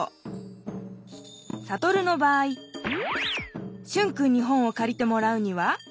サトルの場合シュンくんに本をかりてもらうには？